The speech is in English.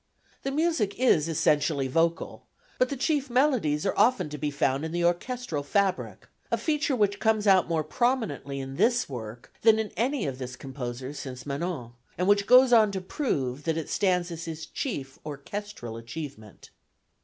The music is essentially vocal, but the chief melodies are often to be found in the orchestral fabric, a feature which comes out more prominently in this work than in any of this composer's since Manon, and which goes to prove that it stands as his chief orchestral achievement.